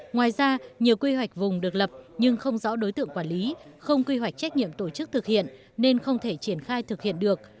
ngoài ra nhiều quy hoạch vùng được lập nhưng không rõ đối tượng quản lý không quy hoạch trách nhiệm tổ chức thực hiện nên không thể triển khai thực hiện được